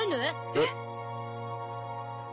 えっ！？